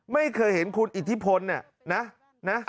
ไม่เคยเห็นคุณอิทธิพลเนี่ยนะ